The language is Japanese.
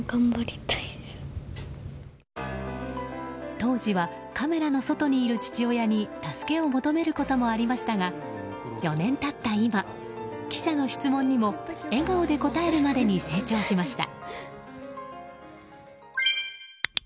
当時はカメラの外にいる父親に助けを求めることもありましたが４年経った今、記者の質問にも笑顔で答えるまでに成長しました。